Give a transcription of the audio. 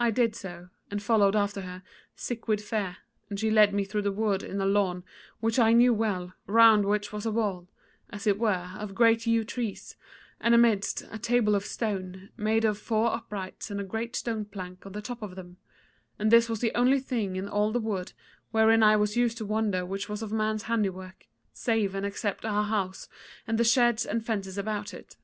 I did so, and followed after her, sick with fear; and she led me through the wood into a lawn which I knew well, round which was a wall, as it were, of great yew trees, and amidst, a table of stone, made of four uprights and a great stone plank on the top of them; and this was the only thing in all the wood wherein I was used to wander which was of man's handiwork, save and except our house, and the sheds and fences about it.